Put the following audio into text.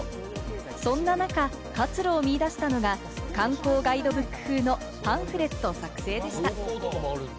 そんな中、活路を見出したのが、観光ガイドブック風のパンフレット作成でした。